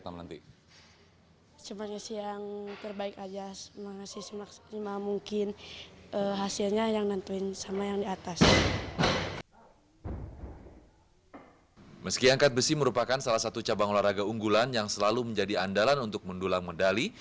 meski angkat besi merupakan salah satu cabang olahraga unggulan yang selalu menjadi andalan untuk mendulang medali